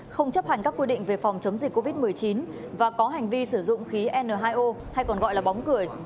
không chấp hành các quy định về phòng chống dịch covid một mươi chín và có hành vi sử dụng khí n hai o hay còn gọi là bóng cười